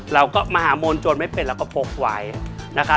เราก็มหามวลจนไม่เป็นเราก็พกไว้นะคะ